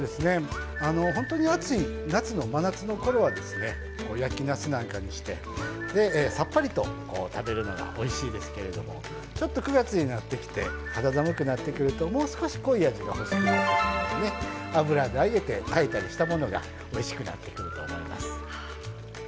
本当に暑い夏の真夏のころは焼きなすなんかにしてさっぱりと食べるのがおいしいですけれどちょっと９月になってきて肌寒くなってくるともう少し濃い味が欲しくなってくるので油で揚げて炊いたりしたものがおいしくなってくると思います。